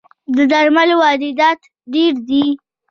د درملو واردات ډیر دي